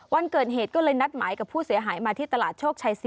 วันเกิดเหตุก็เลยนัดหมายกับผู้เสียหายมาที่ตลาดโชคชัย๔